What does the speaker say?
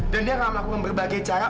dan dia akan melakukan berbagai cara